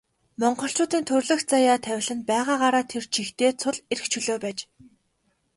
Монголчуудын төрөлх заяа тавилан нь байгаагаараа тэр чигтээ цул эрх чөлөө байж.